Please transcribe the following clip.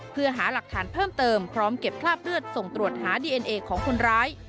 เพื่อหาหลักฐานเพิ่มเติมพร้อมเก็บคราบเลือดส่งตรวจหาดีเอ็นเอของคนร้าย